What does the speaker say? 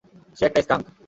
সে একটা স্কাঙ্ক।